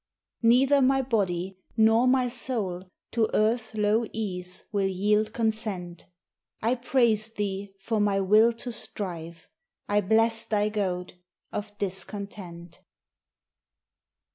Neither my body nor my soul To earth's low ease will yield consent. I praise Thee for my will to strive. I bless Thy goad of discontent.